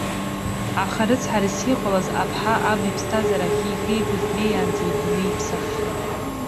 Аха, рыцҳарас иҟалаз, аԥҳа, аб иԥсҭазаара ахьихигоз днеиаанӡа идунеи иԥсаххьан.